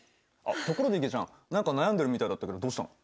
ところでいげちゃん何か悩んでるみたいだったけどどうしたの？